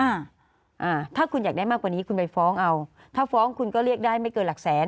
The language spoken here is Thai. อ่าถ้าคุณอยากได้มากกว่านี้คุณไปฟ้องเอาถ้าฟ้องคุณก็เรียกได้ไม่เกินหลักแสน